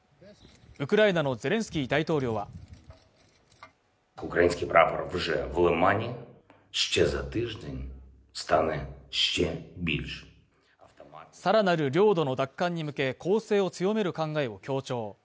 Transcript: ウクライナのゼレンスキー大統領は更なる領土の奪還に向け、攻勢を強める考えを強調。